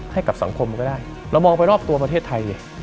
ให้กับสังคมก็ได้เรามองไปรอบตัวประเทศไทย